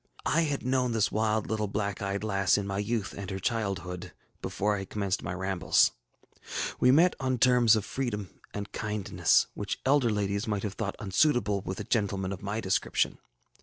I had known this wild little black eyed lass in my youth and her childhood, before I had commenced my rambles. ŌĆ£We met on terms of freedom and kindness, which elder ladies might have thought unsuitable with a gentleman of my description.